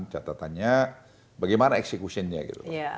catatannya bagaimana execution nya gitu